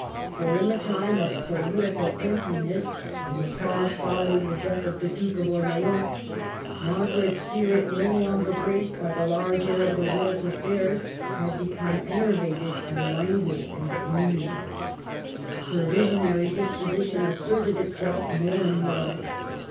For in the time of political emptiness, in the 282 MARGARET OF ANGOUL^ME. pause following the death of the Duke of Orleans, Margaret's spirit, no longer braced by the large air of the world's affairs, had be come enervated and languid and dreamy. Her visionary disposition asserted itself more and more.